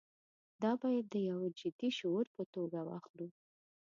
دا باید د یوه جدي شعور په توګه واخلو.